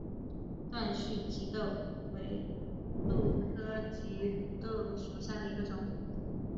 短序棘豆为豆科棘豆属下的一个种。